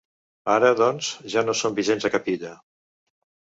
Ara, doncs, ja no són vigents a cap illa.